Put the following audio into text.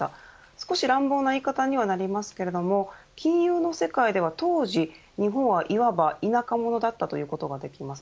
少し乱暴ないい方になりますけども金融の世界は当時日本はいわば田舎者だったと言うことができます。